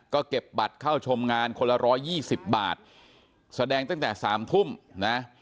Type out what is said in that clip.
ก็เก็บบัตรเข้าชมงานคนละร้อยยี่สิบบาทแสดงตั้งแต่สามทุ่มนะ